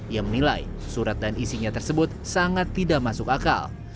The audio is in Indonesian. ia menilai surat dan isinya tersebut sangat tidak masuk akal